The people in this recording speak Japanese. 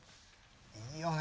いいよね。